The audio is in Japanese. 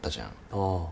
ああ。